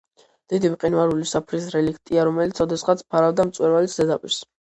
დიდი მყინვარული საფრის რელიქტია, რომელიც ოდესღაც ფარავდა მწვერვალის ზედაპირს.